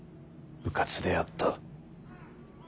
うかつであった。